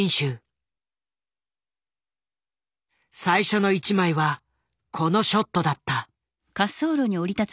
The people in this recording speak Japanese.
最初の１枚はこのショットだった。